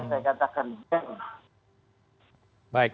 saya katakan geng